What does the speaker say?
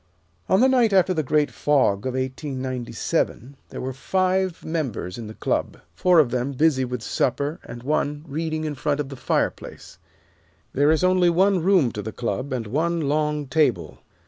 On the night after the great fog of 1897 there were five members in the Club, four of them busy with supper and one reading in front of the fireplace. There is only one room to the Club, and one long table.